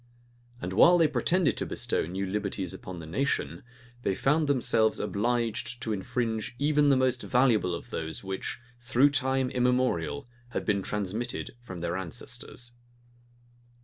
And while they pretended to bestow new liberties upon the nation, they found themselves obliged to infringe even the most valuable of those which, through time immemorial, had been transmitted from their ancestors.